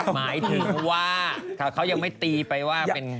หมายถึงว่าเขายังไม่ตีไปว่าเป็น